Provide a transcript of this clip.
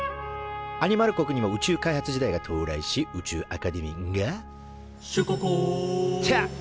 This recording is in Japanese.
アニマル国にも宇宙開発時代が到来し宇宙アカデミーが「シュココ」と誕生。